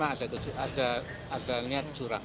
kalau tidak mau berarti memang ada niat curang